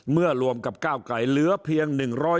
เมื่อรวมกับก้าวไกลเหลือเพียง๑๕